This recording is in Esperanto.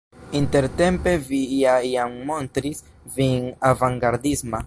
Intertempe vi ja jam montris vin avangardisma!